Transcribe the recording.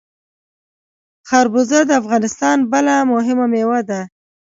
خربوزه د افغانستان بله مهمه میوه ده.